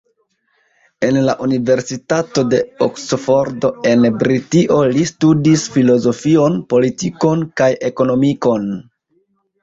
En la universitato de Oksfordo en Britio li studis filozofion, politikon kaj ekonomikon.